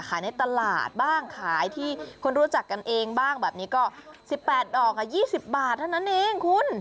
ในตลาดบ้างขายที่คนรู้จักกันเองบ้างแบบนี้ก็๑๘ดอก๒๐บาทเท่านั้นเองคุณ